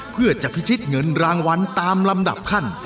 เพื่อจะพิชิตเงินรางวัลตามลำดับขั้น